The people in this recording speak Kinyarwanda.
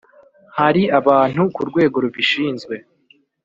hari abantu ku rwego rubishinzwe